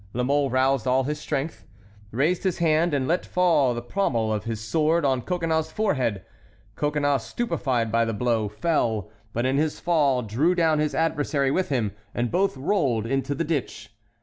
La Mole roused all his strength, raised his hand, and let fall the pommel of his sword on Coconnas's forehead. Coconnas, stupefied by the blow, fell, but in his fall drew down his adversary with him, and both rolled into the ditch.